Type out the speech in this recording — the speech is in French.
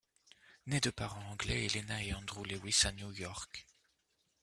Né de parents anglais, Helena et Andrew Lewis à New York.